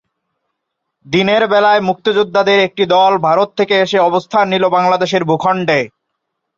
দিনের বেলায় মুক্তিযোদ্ধাদের একটি দল ভারত থেকে এসে অবস্থান নিল বাংলাদেশের ভূখণ্ডে।